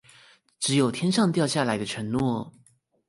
只有天上掉下來的承諾